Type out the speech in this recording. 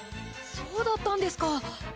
そうだったんですか。